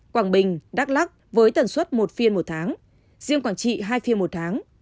quảng bình đắk lắc với tần suất một phiên một tháng riêng quảng trị hai phiên một tháng